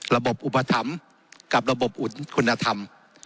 ระบบอุปถรรมกับระบบอุตคุณธรรม